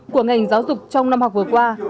của ngành giáo dục trong năm học vừa qua